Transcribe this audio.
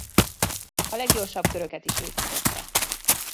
A leggyorsabb köröket is ő futotta.